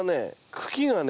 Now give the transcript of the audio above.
茎がね